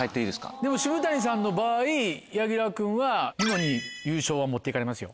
でも渋谷さんの場合柳楽君はニノに優勝は持って行かれますよ。